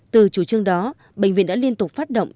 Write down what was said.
từ chủ trương đó bệnh viện đã liên tục phát động